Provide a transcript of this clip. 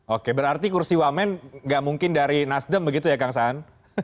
oke berarti kursi wamen gak mungkin dari nasdem begitu ya kang saan